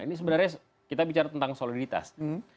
ini sebenarnya kita bicara tentang soliditas